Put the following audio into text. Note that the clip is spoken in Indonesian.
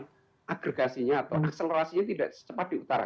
karena agregasinya atau akselerasinya tidak secepat di utara